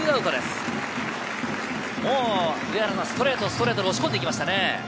ここ上原さん、ストレート、ストレートで押し込んできましたね。